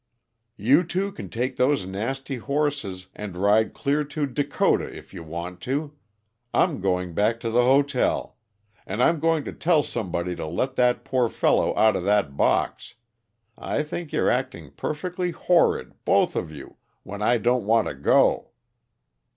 "You two can take those nasty horses and ride clear to Dakota, if you want to. I'm going back to the hotel. And I'm going to tell somebody to let that poor fellow out of that box. I think you're acting perfectly horrid, both of you, when I don't want to go!"